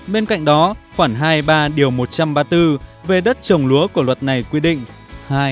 bên cạnh đó khoản hai ba một trăm ba mươi bốn về đất trồng lúa của luật này quy định